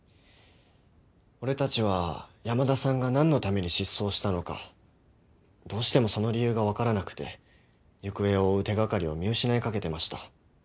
俺たちは山田さんが何のために失踪したのかどうしてもその理由が分からなくて行方を追う手掛かりを見失いかけてました。